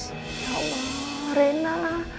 ya allah rena